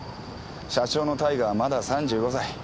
社長の大我はまだ３５歳。